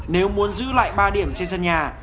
nếu muốn giữ lại ba điểm trên sân nhà